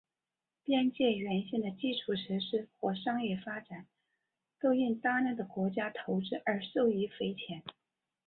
边界沿线的基础设施和商业发展都因大量的国家投资而受益匪浅。